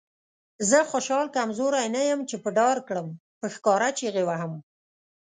زه خوشحال کمزوری نه یم چې به ډار کړم. په ښکاره چیغې وهم.